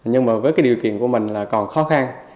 nhưng mà với cái điều kiện của mình là còn khó khăn